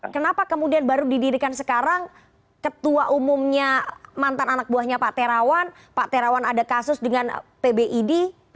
kenapa kemudian baru didirikan sekarang ketua umumnya mantan anak buahnya pak terawan pak terawan ada kasus dengan pbid